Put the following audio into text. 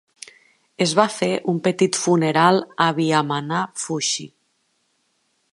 Es va fer un petit funeral a Vihamanaa Fushi.